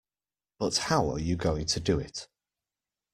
But how are you going to do it.